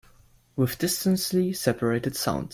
With distinctly separated sounds.